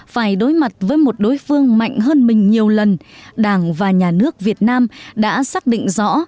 phải đối mặt với một đối phương mạnh hơn mình nhiều lần đảng và nhà nước việt nam đã xác định rõ